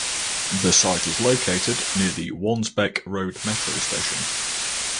The site is located near the Wansbeck Road Metro station.